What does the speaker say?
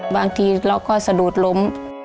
บางทีเราก็สะดุดล้ม